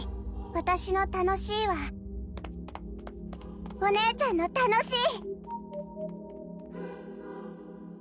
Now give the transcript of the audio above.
私の楽しいはお姉ちゃんの楽しい！